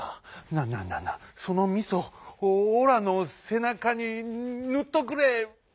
なあなあそのみそオラのせなかにぬっとくれ」。